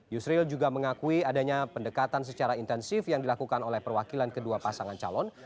yusril juga mengakui adanya pendekatan secara intensif yang dilakukan oleh perwakilan kedua pasangan calon